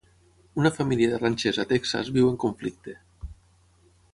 Una família de ranxers a Texas viu en conflicte.